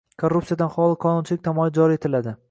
“Korrupsiyadan xoli qonunchilik” tamoyili joriy etiladi